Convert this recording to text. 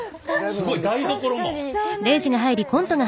すごいな。